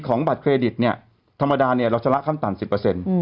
ของบัตรเครดิตเนี่ยธรรมดาเนี่ยเราจะละค่ำตัน๑๐